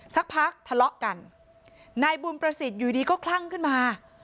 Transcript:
สักพักทะเลาะกันนายบุญประสิทธิ์อยู่ดีก็คลั่งขึ้นมา